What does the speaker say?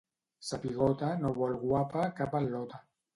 Sa pigota no vol guapa cap al·lota.